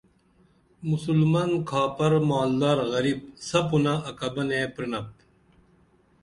مُسُلمن کھاپر مالدرغریب سپُونہ اکبنے پرِنپ